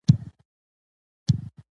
هغوی ته ښه عادتونه ور زده کړئ.